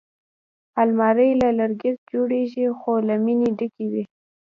الماري له لرګي جوړېږي خو له مینې ډکې وي